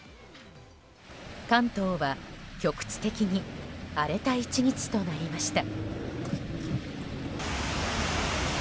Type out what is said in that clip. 関東は、局地的に荒れた１日となりました。